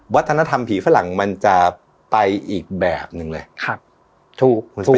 วัฒนธรรมผีฝรั่งมันจะไปอีกแบบหนึ่งเลยครับถูกคุณสุ